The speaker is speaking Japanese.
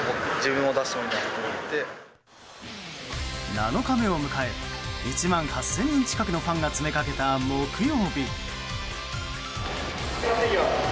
７日目を迎え１万８０００人近くのファンが詰めかけた木曜日。